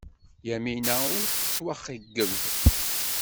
Yamina ur tettwaxeyyeb.